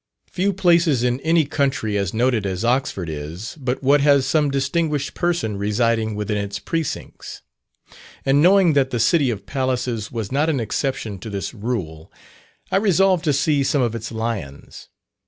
Few places in any country as noted as Oxford is, but what has some distinguished person residing within its precincts. And knowing that the City of Palaces was not an exception to this rule, I resolved to see some of its lions.